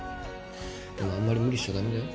でもあんまり無理しちゃ駄目だよ。